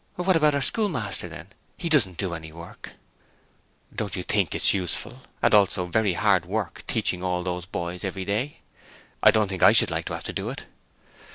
'What about our schoolmaster then? He doesn't do any work.' 'Don't you think it's useful and and also very hard work teaching all those boys every day? I don't think I should like to have to do it.'